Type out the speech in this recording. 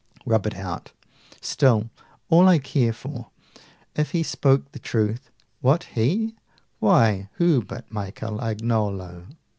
rub it out! Still, all I care for, if he spoke the truth, (What he? why, who but Michel Agnolo?